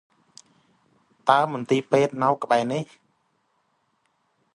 តើមន្ទីពេទ្យនៅក្បែរនេះ?